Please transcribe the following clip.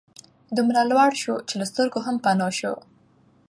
دومره لوړ سو چي له سترګو هم پناه سو